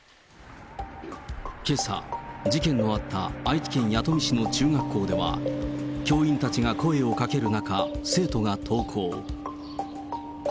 けさ、事件のあった愛知県弥富市の中学校では、教員たちが声をかける中、生徒が登校。